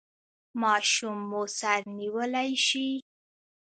ماشوم مو سر نیولی شي؟